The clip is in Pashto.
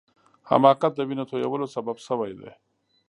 حماقت د وینو تویولو سبب سوی دی.